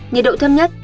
nhiệt độ thâm nhất